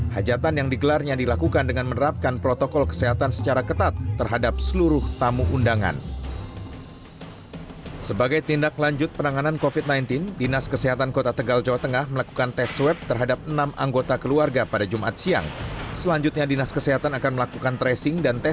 hajatan yang digelarnya dilakukan dengan menerapkan protokol kesehatan secara ketat